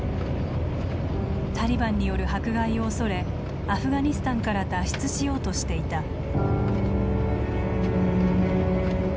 タリバンによる迫害を恐れアフガニスタンから脱出しようとしていた。